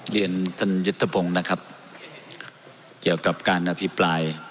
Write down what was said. เรียนท่านยุทธพงศ์นะครับเกี่ยวกับการอภิปราย